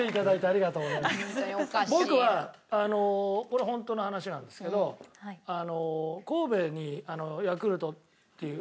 僕はこれホントの話なんですけど神戸にヤクルトっていう企業ありますよね。